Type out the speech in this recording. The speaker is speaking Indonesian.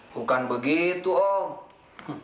bukan begitu om